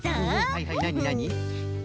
はいはいなになに？